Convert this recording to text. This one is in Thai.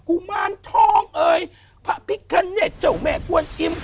กุมารทองเอ่ยพระพิคเนตเจ้าแม่กวนอิ่ม